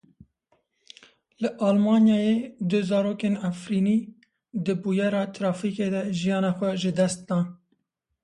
Li Almanyayê du zarokên Efrînî di bûyera trafîkê de jiyana xwe ji dest dan.